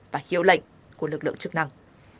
điều lệnh của lực lượng chức năng